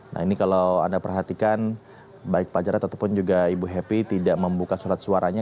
nah ini kalau anda perhatikan baik pak jarod ataupun juga ibu happy tidak membuka surat suaranya